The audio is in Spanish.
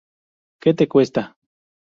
Qué te cuesta